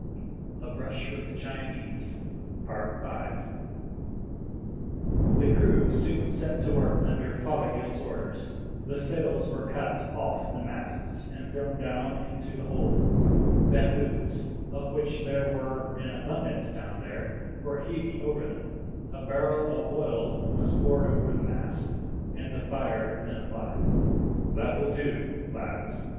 A BRUSH WITH THE CHINESE.—V. The crew soon set to work under Fothergill's orders. The sails were cut off the masts and thrown down into the hold; bamboos, of which there were an abundance down there, were heaped over them, a barrel of oil was poured over the mass, and the fire then applied. "That will do, lads.